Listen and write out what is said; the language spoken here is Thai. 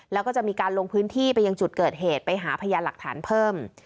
แล้วก็จะมีการลงพื้นที่ไปยังจุดเกิดเหตุไปหาพยานหลักฐานเพิ่ม